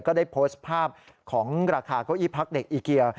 ก็ได้โพสต์ภาพของราคาเก้าอี้พักเด็กอีเกีย